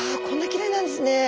こんなきれいなんですね！